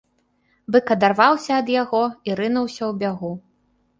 Бык адарваўся ад яго і рынуўся ў бягу.